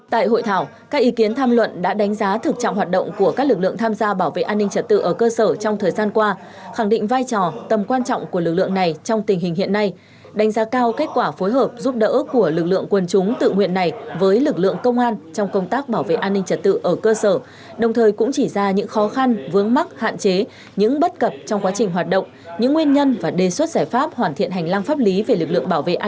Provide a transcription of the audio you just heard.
tại hội thảo các ý kiến tham luận đã đánh giá thực trạng hoạt động của các lực lượng tham gia bảo vệ an ninh trật tự ở cơ sở trong thời gian qua khẳng định vai trò tầm quan trọng của lực lượng này trong tình hình hiện nay đánh giá cao kết quả phối hợp giúp đỡ của lực lượng quân chúng tự nguyện này với lực lượng công an trong công tác bảo vệ an ninh trật tự ở cơ sở đồng thời cũng chỉ ra những khó khăn vướng mắc hạn chế những bất cập trong quá trình hoạt động những nguyên nhân và đề xuất giải pháp hoàn thiện hành lang pháp lý về lực lượng bảo vệ